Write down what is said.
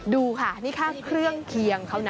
ดูค่ะนี่แค่เครื่องเคียงเขานะ